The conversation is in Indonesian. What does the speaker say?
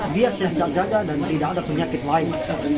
dia sihat sihat saja dan tidak ada penyakit lain